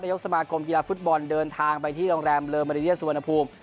ยกสมาคมกีฬาฟุตบอลเดินทางไปที่โรงแรมเลอร์มาริเซียสุวรรณภูมิ